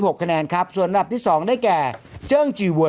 พี่ปั๊ดเดี๋ยวมาที่ร้องให้